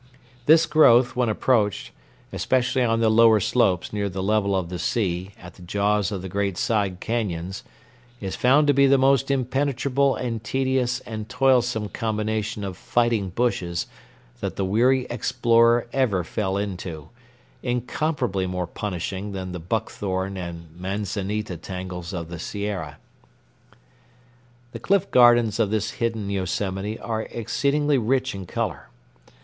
This growth, when approached, especially on the lower slopes near the level of the sea at the jaws of the great side cañons, is found to be the most impenetrable and tedious and toilsome combination of fighting bushes that the weary explorer ever fell into, incomparably more punishing than the buckthorn and manzanita tangles of the Sierra. The cliff gardens of this hidden Yosemite are exceedingly rich in color.